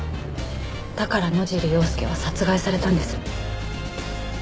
だから野尻要介は殺害されたんです。